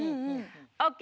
ＯＫ